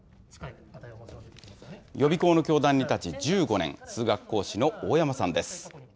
予備校の教壇に立ち１５年、数学講師の大山さんです。